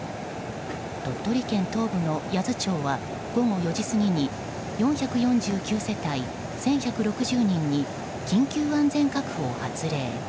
鳥取県東部の八頭町は午後４時過ぎに４４９世帯１１６０人に緊急安全確保を発令。